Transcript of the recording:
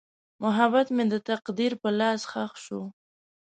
محبت مې د تقدیر په لاس ښخ شو.